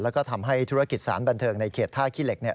แล้วก็ทำให้ธุรกิจสารบันเทิงในเขตท่าขี้เหล็ก